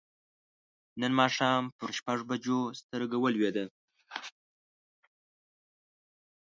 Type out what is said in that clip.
نن ماښام پر شپږو بجو سترګه ولوېده.